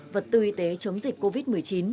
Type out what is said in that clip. vật tư y tế chống dịch covid một mươi chín